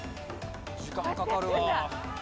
時間かかるわ。